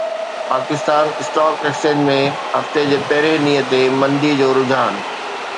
Pakistan stock exchange ۾ هفتي جي پهرين ڏينهن تي مندي جو رجحان